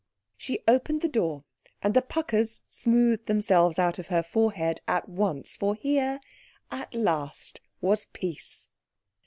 She opened the door, and the puckers smoothed themselves out of her forehead at once, for here, at last, was peace.